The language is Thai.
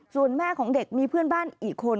ส่วนแม่ของเด็กมีเพื่อนบ้านอีกคน